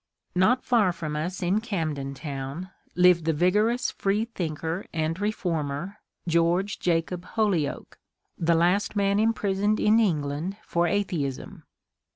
Not far from us in Camden Town lived the vigorous free thinker and reformer, George Jacob Holyoake, the last man imprisoned in England for atheism.